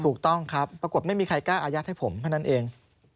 ถูกต้องครับปรากฏไม่มีใครกล้าอายัดให้ผมเท่านั้นเอง